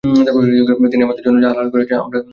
তিনি আমাদের জন্য যা হালাল করেছেন আমরা তা হালাল করেছি।